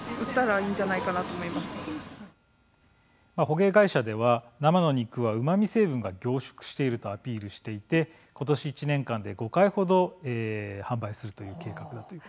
捕鯨会社では生の肉はうまみ成分が凝縮しているとアピールしていて今年１年間で５回程、販売するという計画だということです。